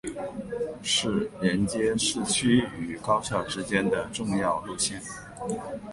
是连接市区与高校之间的重要线路。